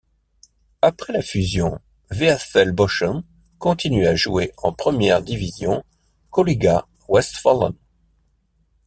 Après la fusion, VfL Bochum continue à jouer en première division Gauliga Westfalen.